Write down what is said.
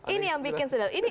ini yang bikin sederhana